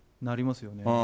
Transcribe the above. なりますよね。